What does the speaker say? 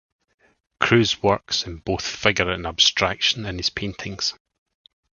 Cruz works in both figure and abstraction in his paintings.